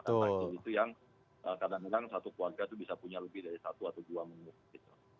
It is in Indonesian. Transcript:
itu yang kadang kadang satu keluarga bisa punya lebih dari satu atau dua menu